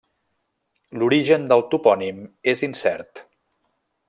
L'origen del topònim és incert.